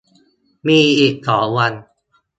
มีอีกสองวัน